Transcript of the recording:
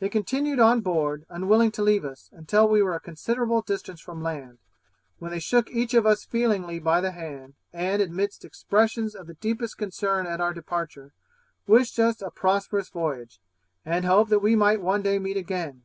They continued on board, unwilling to leave us, until we were a considerable distance from land, when they shook each of us feelingly by the hand, and, amidst expressions of the deepest concern at our departure, wished us a prosperous voyage, and hoped that we might one day meet again.